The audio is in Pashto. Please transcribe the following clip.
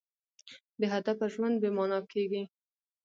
بېهدفه ژوند بېمانا کېږي.